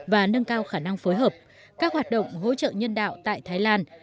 và nâng cao khả năng phối hợp các hoạt động hỗ trợ nhân đạo tại thái lan